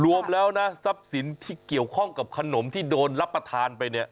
รวมแล้วนะทรัพย์สินที่เกี่ยวข้องกับขนมที่โดนรับประทานไปเนี่ย